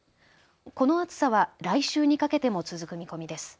この暑さは来週にかけても続く見込みです。